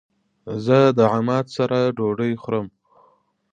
زه د عماد سره ډوډی خورم